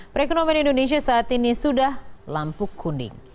perekonomian indonesia saat ini sudah lampu kuning